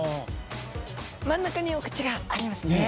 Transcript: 真ん中にお口がありますね